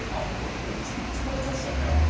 絶対落としちゃいけない。